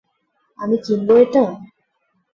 আমি কিনবো এটা?